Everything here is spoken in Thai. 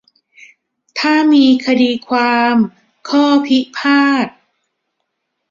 ถ้ามีคดีความข้อพิพาท